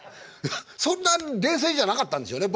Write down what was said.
そんな冷静じゃなかったんでしょうね。